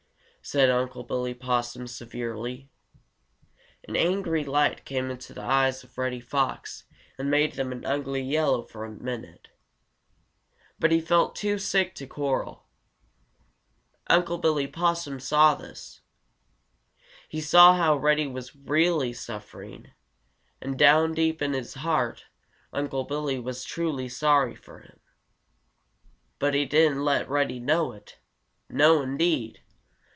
said Unc' Billy Possum severely. An angry light came into the eyes of Reddy Fox and made them an ugly yellow for just a minute. But he felt too sick to quarrel. Unc' Billy Possum saw this. He saw how Reddy was really suffering, and down deep in his heart Unc' Billy was truly sorry for him. But he didn't let Reddy know it. No, indeed!